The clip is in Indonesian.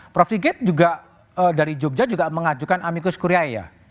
prof sigit juga dari jogja juga mengajukan amikus kuria ya